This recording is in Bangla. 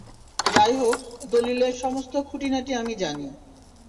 যাই হোক, দলীলের সমস্ত খুঁটিনাটি আমি জানি।